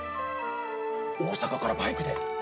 大阪からバイクで？